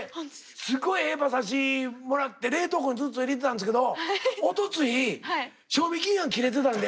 すごいええ馬刺しもらって冷凍庫にずっと入れてたんですけどおとつい賞味期限が切れてたんで。